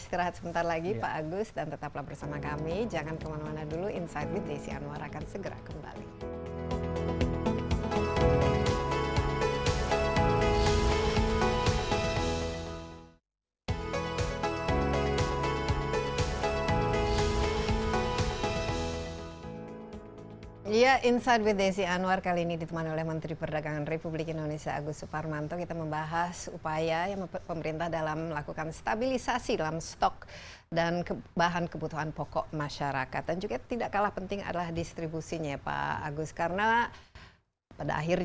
iya baik kita istirahat sebentar lagi pak agus dan tetaplah bersama kami